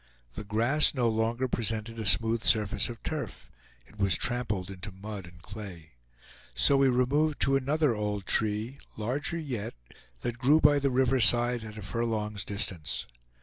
The grass no longer presented a smooth surface of turf; it was trampled into mud and clay. So we removed to another old tree, larger yet, that grew by the river side at a furlong's distance.